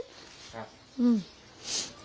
ครับ